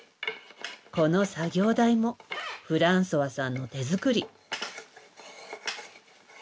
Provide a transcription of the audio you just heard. この作業台もフランソワさんの手作り。